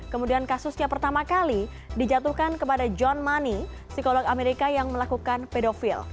kemudian kasusnya pertama kali dijatuhkan kepada john money psikolog amerika yang melakukan pedofil